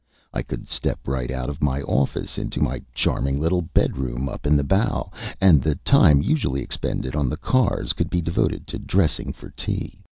I could step right out of my office into my charming little bedroom up in the bow, and the time usually expended on the cars could be devoted to dressing for tea.